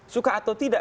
suka atau tidak